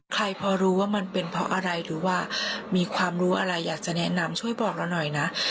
ใครพอรู้ว่ามันเป็นเพราะอะไรหรือว่ามีความรู้อะไรอยากจะแนะนำช่วยบอกเราหน่อยนะ